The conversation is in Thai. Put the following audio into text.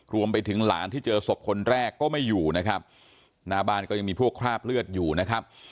รวมไปถึงหลานที่เจอศพคนแรกก็ไม่อยู่นะครับหน้าบ้านก็ยังมีพวกคราบเลือดอยู่นะครับ